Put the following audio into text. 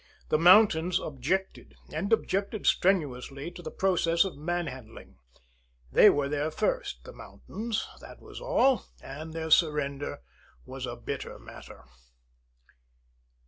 The mountains objected, and objected strenuously, to the process of manhandling. They were there first, the mountains, that was all, and their surrender was a bitter matter.